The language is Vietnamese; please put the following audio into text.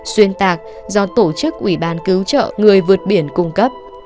xuyên tạc do tổ chức ủy ban cứu trợ người vượt biển cung cấp